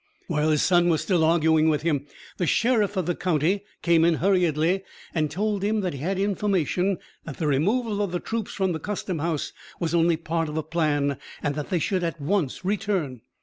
While his son was still arguing with him, the sheriff of the country came in hurriedly, and told him that he had had information that the removal of the troops from the custom house was only part of a plan, and that they should at once return.